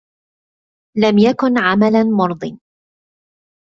لم يكن عملاً مرضٍ.